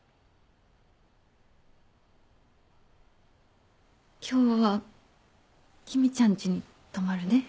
今日は君ちゃんちに泊まるね。